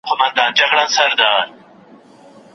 علت یې هماغه د ده خپله خبره ده